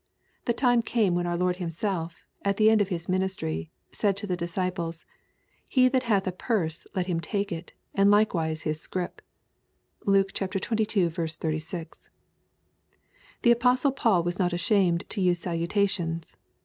The time came when our Lord Himself, at the end of His ministry, said to the disciples, ^^ He that hath a purse let him take it, and likewise his scrip/' (Luke xxii. 36.) The apostle Paul was not ashamed to use salutations.